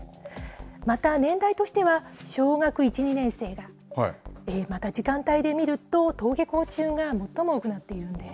また年代としては、小学１、２年生が、また時間帯で見ると、登下校中が最も多くなっているんです。